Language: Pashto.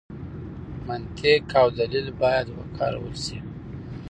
منطق او دلیل باید وکارول شي.